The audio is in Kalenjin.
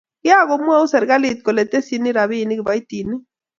kiakumwou serikali kole tesyini robinik kiboitinik.